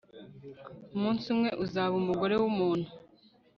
umunsi umwe uzaba umugore wumuntu